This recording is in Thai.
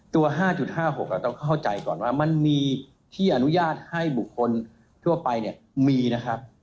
ตัว๕๕๖ต้องเข้าใจก่อนว่ามันมีที่อนุญาตให้บุคคลทั่วไปเนี่ยมีนะครับ